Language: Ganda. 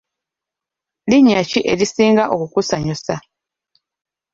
Linnya ki erisinga okukusanyusa?